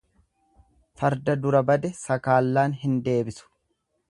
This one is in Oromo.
Farda dura bade sakaallaan hin deebisu.